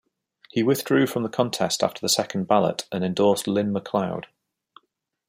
He withdrew from the contest after the second ballot, and endorsed Lyn McLeod.